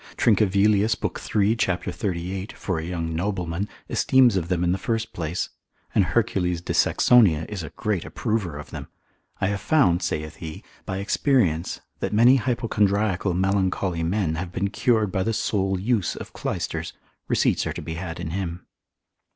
Trincavelius lib. 3. cap. 38. for a young nobleman, esteems of them in the first place, and Hercules de Saxonia Panth. lib. 1. cap. 16. is a great approver of them. I have found (saith he) by experience, that many hypochondriacal melancholy men have been cured by the sole use of clysters, receipts are to be had in him.